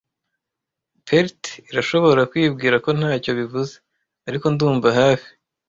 Pert irashobora kwibwira ko ntacyo bivuze, ariko ndumva hafi,